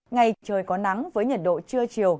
ngày trời có nắng với nhiệt độ trưa chiều